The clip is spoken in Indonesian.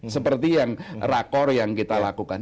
seperti yang rakor yang kita lakukan